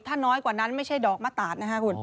ถ้าน้อยกว่านั้นไม่ใช่ดอกมัตตาท